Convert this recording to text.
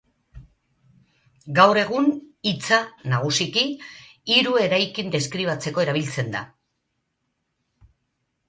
Gaur egun, hitza, nagusiki, hiru eraikin deskribatzeko erabiltzen da.